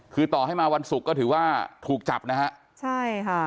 คือต่อให้มาวันศุกร์ก็ถือว่าถูกจับนะครับ